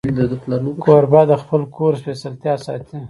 کوربه د خپل کور سپېڅلتیا ساتي.